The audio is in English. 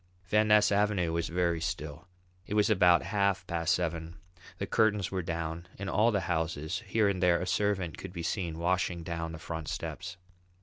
Van Ness Avenue was very still. It was about half past seven. The curtains were down in all the houses; here and there a servant could be seen washing down the front steps.